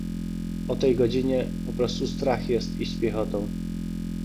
"O tej godzinie... poprostu strach jest iść piechotą."